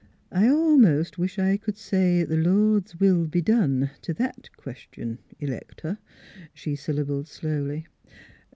" I al most wish I c'd say * th' Lord's will be done ' t' that question, Electa," she syllabled slowly.